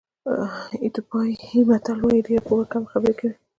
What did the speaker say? ایتیوپیایي متل وایي ډېره پوهه کمې خبرې کوي.